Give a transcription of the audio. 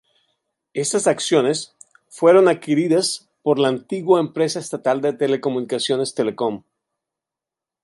Estas acciones fueron adquiridas por la antigua empresa estatal de telecomunicaciones Telecom.